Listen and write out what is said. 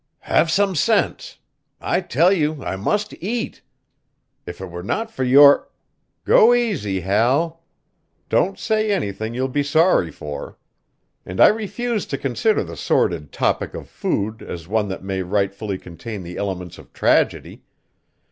"Have some sense. I tell you, I must eat! If it were not for your " "Go easy, Hal. Don't say anything you'll be sorry for. And I refuse to consider the sordid topic of food as one that may rightfully contain the elements of tragedy.